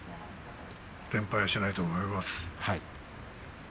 連敗はしないと思います。